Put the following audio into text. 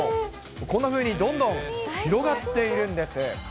こんなふうにどんどん広がっているんです。